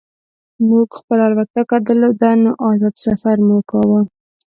موږ خپله الوتکه درلوده نو ازاد سفر مو کاوه